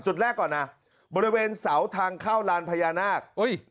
จุดแรกก่อนนะบริเวณเสาทางเข้าลานพญานาค